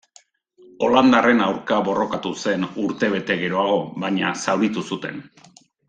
Holandarren aurka borrokatu zen urtebete geroago baina zauritu zuten.